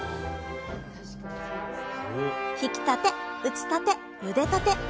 ひきたて打ちたてゆでたて